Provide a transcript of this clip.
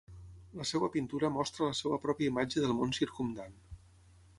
La seva pintura Mostra la seva pròpia imatge del món circumdant.